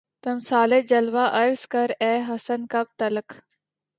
تمثالِ جلوہ عرض کر اے حسن! کب تلک